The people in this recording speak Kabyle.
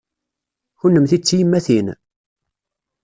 Kennemti d tiyemmatin?